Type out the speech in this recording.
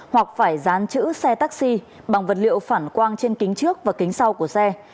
hoặc phải dán chữ xe taxi bằng vật liệu phản quang trên kính trước và kính sau của xe